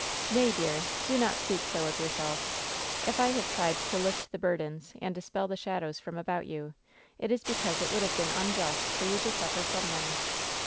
"Nay, dear 1 Do not speak so of yourself. If I have tried to lift the burdens and dispel the shadows from about you, it is because it would have been unjust for you to suffer from them.